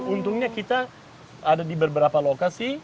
untungnya kita ada di beberapa lokasi